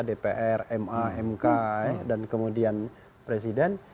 dpr ma mk dan kemudian presiden